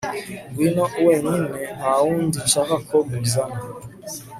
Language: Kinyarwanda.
ngwino wenyine ntawundi nshaka ko muzana